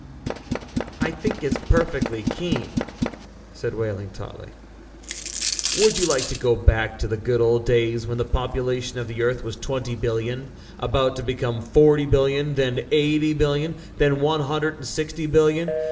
"I think it's perfectly keen," said Wehling tautly. "Would you like to go back to the good old days, when the population of the Earth was twenty billion about to become forty billion, then eighty billion, then one hundred and sixty billion?